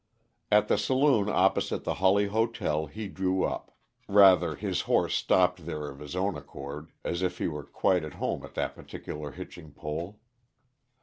At the saloon opposite the Hawley Hotel he drew up; rather, his horse stopped there of his own accord, as if he were quite at home at that particular hitching pole.